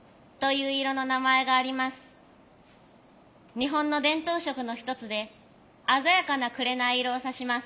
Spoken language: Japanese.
日本の伝統色の一つで鮮やかな紅色を指します。